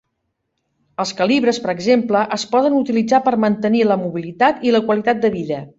Els calibres, per exemple, es poden utilitzar per mantenir la mobilitat i la qualitat de vida.